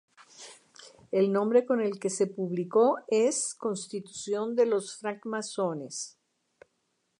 El nombre con el que se publicó es "Constitución de los Francmasones".